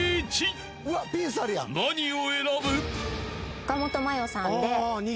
［何を選ぶ？］